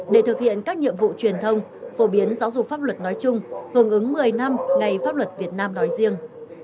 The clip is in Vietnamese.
để thực hiện các nhiệm vụ truyền thông phổ biến giáo dục pháp luật nói chung hưởng ứng một mươi năm ngày pháp luật việt nam nói riêng